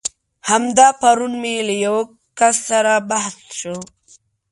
همدا پرون مې له يو کس سره بحث شو.